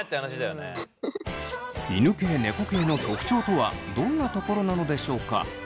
犬系・猫系の特徴とはどんなところなのでしょうか。